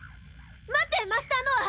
待ってマスター・ノア！